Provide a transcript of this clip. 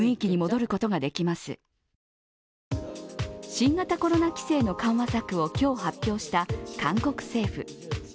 新型コロナ規制の緩和策を今日発表した韓国政府。